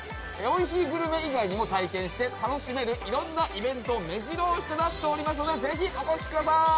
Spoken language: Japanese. おいしいグルメ以外にも体験して楽しめる色んなイベント目白押しとなっておりますのでぜひお越しください。